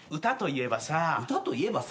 歌といえばさ。